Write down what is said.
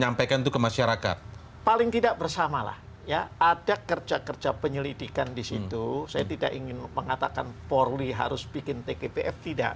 ada kerja kerja penyelidikan di situ saya tidak ingin mengatakan poorly harus bikin tgpf tidak